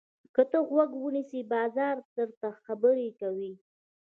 که ته غوږ ونیسې، بازار درته خبرې کوي.